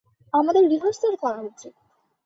আমাদের রিহার্সাল করা উচিৎ।